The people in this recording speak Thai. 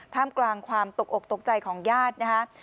ท่ามกลางความตกอกตกใจของญาตินะคะ